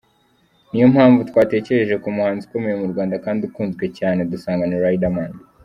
Niyo mpamvu twatekereje ku muhanzi ukomeye mu Rwanda kandi ukunzwe cyane dusanga ni Riderman.